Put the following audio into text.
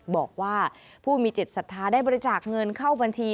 บอกว่าผู้มีจิตศรัทธาได้บริจาคเงินเข้าบัญชี